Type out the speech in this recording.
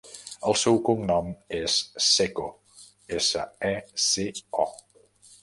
El seu cognom és Seco: essa, e, ce, o.